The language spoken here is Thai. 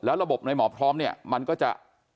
ระบบในหมอพร้อมเนี่ยมันก็จะ